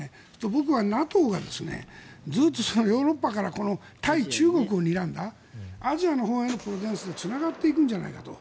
僕はＮＡＴＯがずっとヨーロッパから対中国をにらんだアジアのほうへつながっていくんじゃないかと。